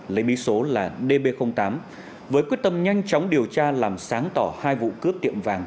lấy bí số là db tám với quyết tâm nhanh chóng điều tra làm sáng tỏ hai vụ cướp tiệm vàng